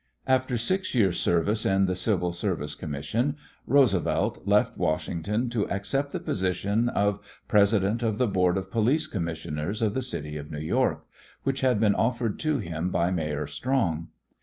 After six years' service in the Civil Service Commission Roosevelt left Washington to accept the position of president of the Board of Police Commissioners of the city of New York, which had been offered to him by Mayor Strong.